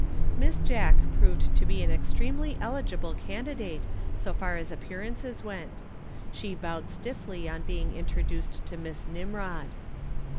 Miss Jack proved to be an extremely eligible candidate so far as appearances went. She bowed stiffly on being introduced to Miss Nimrod.